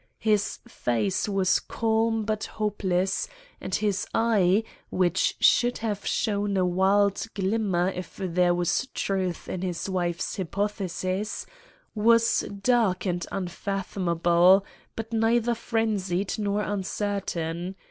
His face was calm but hopeless, and his eye, which should have shown a wild glimmer if there was truth in his wife's hypothesis, was dark and unfathomable, but neither frenzied nor uncertain.